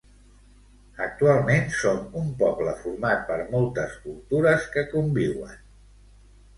Actualment, som un poble format per moltes cultures que conviuen.